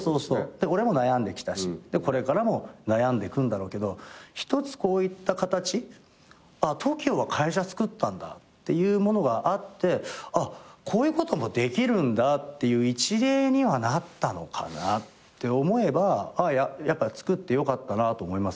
俺も悩んできたしこれからも悩んでいくんだろうけど一つこういった形「あっＴＯＫＩＯは会社つくったんだ」っていうものがあって「あっこういうこともできるんだ」っていう一例にはなったのかなって思えばやっぱつくってよかったなと思いますよ。